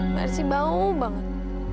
merci mau banget